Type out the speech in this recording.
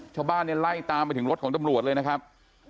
ชาวบ้านเนี่ยไล่ตามไปถึงรถของตำรวจเลยนะครับ